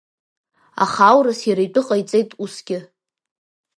Аха аурыс иара итәы ҟаиҵеит усгьы.